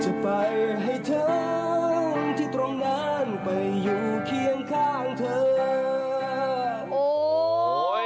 จะไปให้เธอที่ตรงนั้นไปอยู่เคียงข้างเธอโอ้ย